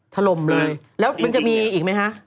ถล่มเลยแล้วมันจะมีอีกไหมคะ